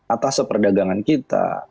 atas se perdagangan kita